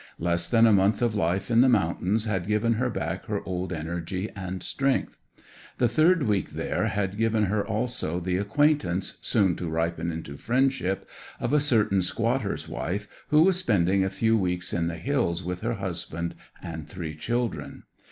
Less than a month of life in the mountains had given her back her old energy and strength. The third week there had given her also the acquaintance, soon to ripen into friendship, of a certain squatter's wife, who was spending a few weeks in the hills with her husband and three children.